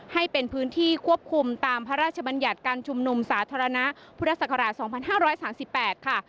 ให้เป็นพื้นที่ควบคุมตามพระราชบัญญัติการชุมนุมสาธารณะพุทธศักราช๒๕๓๘ค่ะ